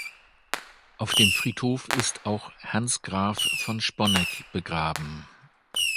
Auf dem Friedhof ist auch Hans Graf von Sponeck begraben.